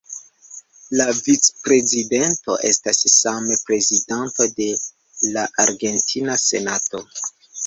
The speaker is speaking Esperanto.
La vicprezidento estas same prezidanto de la argentina senato.